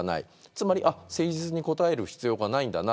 つまり誠実に答える必要はないんだな。